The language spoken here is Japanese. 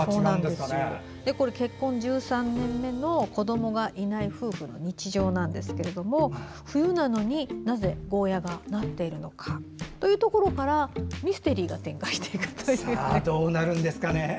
結婚１３年目の子どもがいない夫婦の日常ですが冬なのになぜゴーヤがなっているのかというところからミステリーが展開していくという。